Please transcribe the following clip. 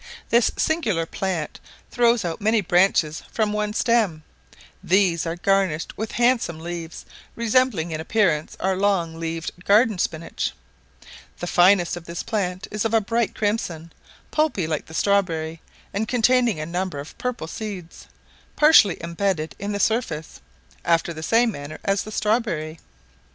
This singular plant throws out many branches from one stem, these are garnished with handsome leaves, resembling in appearance our long leaved garden spinach; the finest of this plant is of a bright crimson, pulpy like the strawberry, and containing a number of purple seeds, partially embedded in the surface, after the same manner as the strawberry.